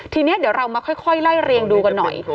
ทีนี้เดี๋ยวเรามาค่อยไล่เรียงดูกันหน่อย